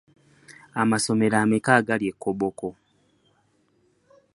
Amasomero ameka agali e Koboko?